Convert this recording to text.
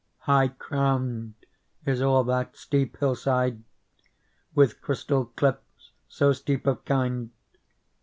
High crown'd is all that steep hillside With crystal cliffs so steep of kind.